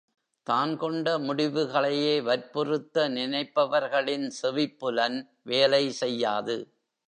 தான் கொண்ட முடிவுகளையே வற்புறுத்த நினைப்பவர்களின் செவிப் புலன் வேலை செய்யாது.